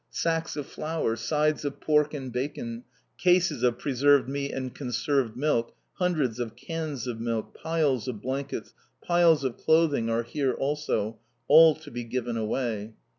Sacks of flour, sides of pork and bacon, cases of preserved meat and conserved milk, hundreds of cans of milk, piles of blankets, piles of clothing are here also, all to be given away.